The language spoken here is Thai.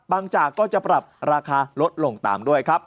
จากก็จะปรับราคาลดลงตามด้วยครับ